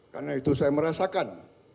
karena itu saya merasakan